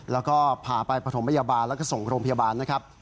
แล้วก็พาไปประถมพยาบาลแล้วก็ส่งโรงพยาบาลนะครับ